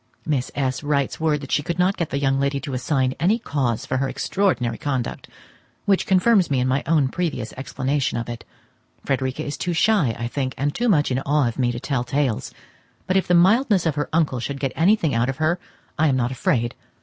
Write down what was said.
Miss S. writes word that she could not get the young lady to assign any cause for her extraordinary conduct, which confirms me in my own previous explanation of it. Frederica is too shy, I think, and too much in awe of me to tell tales, but if the mildness of her uncle should get anything out of her, I am not afraid.